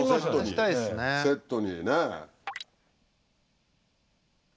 セットにね。